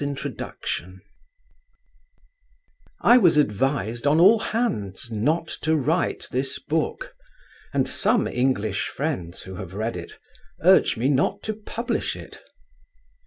INTRODUCTION I was advised on all hands not to write this book, and some English friends who have read it urge me not to publish it.